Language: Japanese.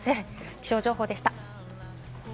気象情報でした。